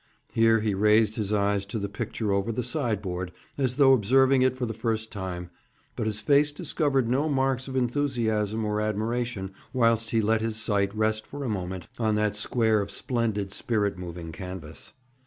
Here he raised his eyes to the picture over the sideboard, as though observing it for the first time, but his face discovered no marks of enthusiasm or admiration whilst he let his sight rest for a moment on that square of splendid, spirit moving canvas.